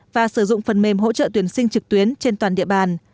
và sử dụng phần mềm hỗ trợ tuyển sinh trực tuyến trên toàn địa bàn